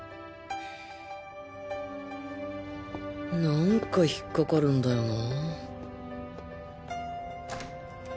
何か引っかかるんだよな